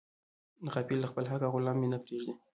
غافل له خپله حقه او غلام مې نه پریږدي.